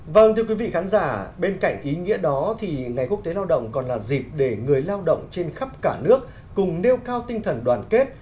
vâng thưa quý vị khán giả bên cạnh ý nghĩa đó thì ngày quốc tế lao động còn là dịp để người lao động trên khắp cả nước cùng nêu cao tinh thần đoàn kết